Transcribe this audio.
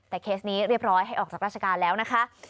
แต่เคสนี้เรียบร้อยให้ออกจากราชการแล้วนะคะ